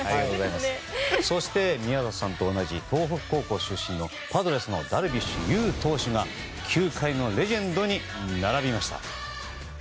そして宮里さんと同じ東北高校出身のパドレスのダルビッシュ有投手が球界のレジェンドに並びました。